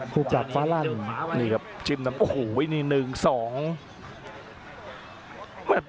คู่ปรับฟารั่นนี่ครับจิ้มทำโอ้โหวินี๑๒